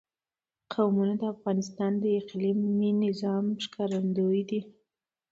قومونه د افغانستان د اقلیمي نظام ښکارندوی ده.